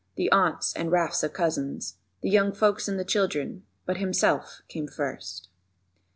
the aunts and rafts of cousins, The young folks and the children, but Himself came first.